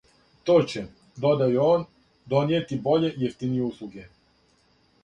То ће, додао је он, донијети боље и јефтиније услуге.